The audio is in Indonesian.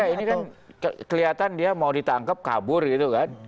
ini kan kelihatan dia mau ditangkap kabur gitu kan